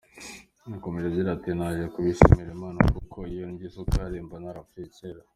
Yarakomeje ati “Naje kubishimira Imana kuko iyo ndya isukari mba narapfuye kera.